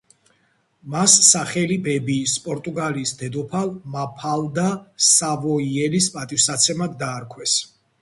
მას სახელი ბებიის, პორტუგალიის დედოფალ მაფალდა სავოიელის პატივსაცემად დაარქვეს.